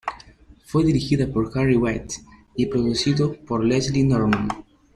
Fue dirigida por Harry Watt, y producido por Leslie Norman.